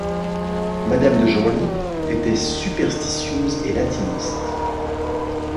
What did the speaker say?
Madame de Genlis était superstitieuse et latiniste.